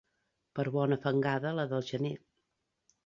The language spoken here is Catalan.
Per bona fangada la del gener.